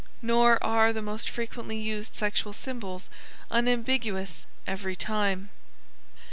Nor are the most frequently used sexual symbols unambiguous every time.